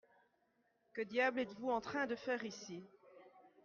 Que diable êtes-vous en train de faire ici ?